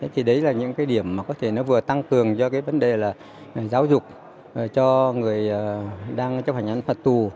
thì đấy là những điểm mà có thể vừa tăng cường cho vấn đề giáo dục cho người đang chấp hành án phạt tù